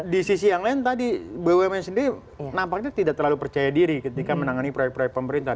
di sisi yang lain tadi bumn sendiri nampaknya tidak terlalu percaya diri ketika menangani proyek proyek pemerintah